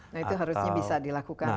nah itu harusnya bisa dilakukan